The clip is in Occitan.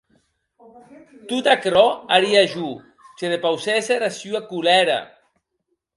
Tot aquerò haria jo, se depausèsse era sua colèra.